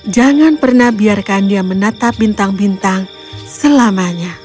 jangan pernah biarkan dia menata bintang bintang selamanya